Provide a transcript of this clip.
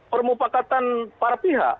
permupakatan para pihak